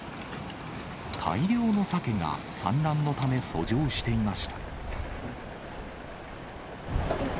大量のサケが産卵のため遡上していました。